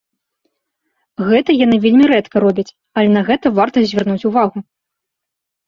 Гэта яны вельмі рэдка робяць, але на гэта варта звяртаць увагу.